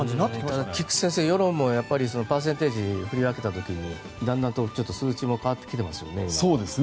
ただ、菊地先生、世論もパーセンテージ振り分けた時だんだんと数字も変わってきていますよね。